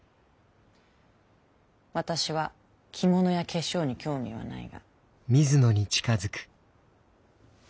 私は着物や化粧に興味はないが。